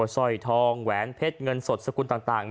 สร้อยทองแหวนเพชรเงินสดสกุลต่าง